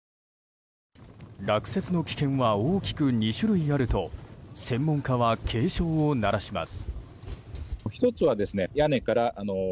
落雪の危険は大きく２種類あると専門家は警鐘を鳴らします。